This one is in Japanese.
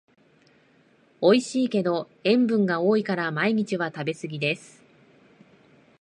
おいしいけど塩分が多いから毎日は食べすぎです